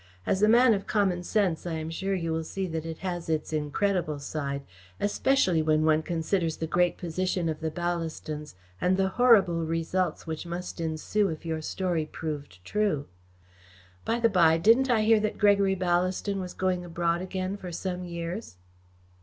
As a man of common sense, I am sure you will see that it has its incredible side, especially when one considers the great position of the Ballastons and the horrible results which must ensue if your story be proved true. By the by, didn't I hear that Gregory Ballaston was going abroad again for some years?"